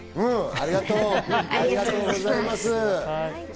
ありがとうございます。